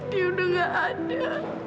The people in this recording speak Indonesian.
dia udah gak ada